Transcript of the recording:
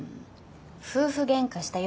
夫婦ゲンカした夜とか？